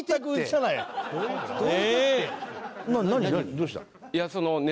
どうした？